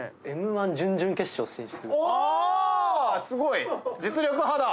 すごい！